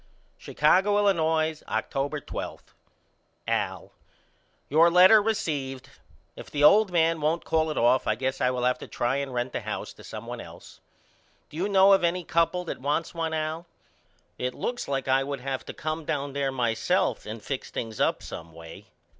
Chicago, Illinois, October 12. AL: Your letter received. If the old man won't call it off I guess I will have to try and rent the house to some one else. Do you know of any couple that wants one Al? It looks like I would have to come down there myself and fix things up someway.